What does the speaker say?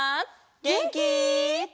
げんき？